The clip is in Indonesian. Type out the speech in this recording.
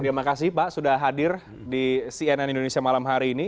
terima kasih pak sudah hadir di cnn indonesia malam hari ini